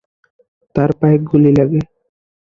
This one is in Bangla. তার পায়ে গুলি লাগে।